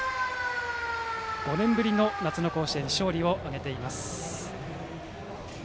５年ぶりの夏の甲子園での勝利を挙げています。